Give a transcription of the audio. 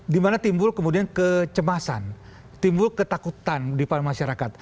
dimana timbul kemudian kecemasan timbul ketakutan di masyarakat